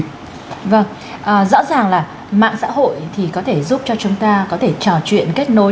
vâng rõ ràng là mạng xã hội thì có thể giúp cho chúng ta có thể trò chuyện kết nối